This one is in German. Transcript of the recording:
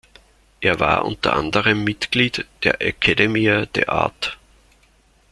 Er war unter anderem Mitglied der Academia de Artes.